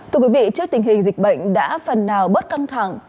trước tình hình dịch bệnh đã phần nào bớt căng thẳng